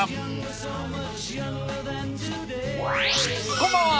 こんばんは。